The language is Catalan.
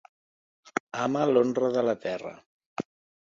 Ama l'honra de la terra.